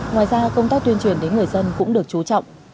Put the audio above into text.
ngoài ra công tác tuyên truyền đến người dân cũng được chú trọng